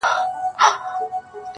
• لکه سیوری، لکه وهم، لکه وېره -